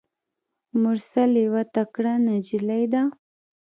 مرسل یوه تکړه نجلۍ ده.